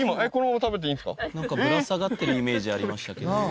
ぶら下がってるイメージありましたけどね。